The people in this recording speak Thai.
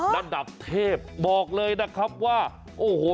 ระดับเทพบอกเลยนะครับว่าโอ้โห